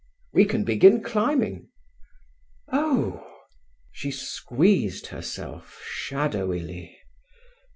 "We can begin climbing." "Oh!" she squeezed herself shadowily.